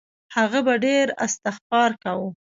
هغه به ډېر استغفار کاوه.